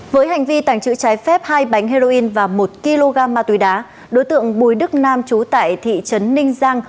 với hành vi tàng trữ trái phép hai bánh heroin và một kg ma túy đá đối tượng bùi đức nam trú tại thị trấn ninh giang